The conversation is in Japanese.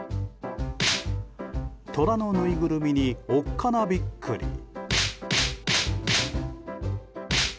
トラのぬいぐるみにおっかなびっくり。